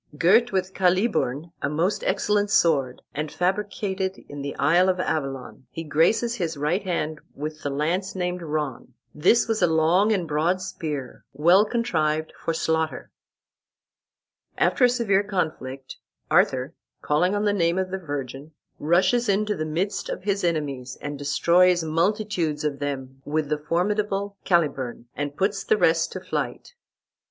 Girt with Caliburn, a most excellent sword, and fabricated in the isle of Avalon, he graces his right hand with the lance named Ron. This was a long and broad spear, well contrived for slaughter." After a severe conflict, Arthur, calling on the name of the Virgin, rushes into the midst of his enemies, and destroys multitudes of them with the formidable Caliburn, and puts the rest to flight.